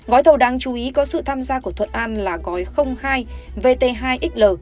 gói thầu đáng chú ý có sự tham gia của thuận an là gói hai vt hai xl